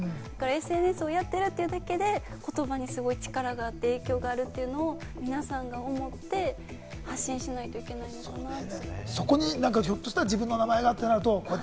ＳＮＳをやってるってだけで言葉にすごい力があって、影響があるというのを皆さんが思って発信しないといけないのかなって。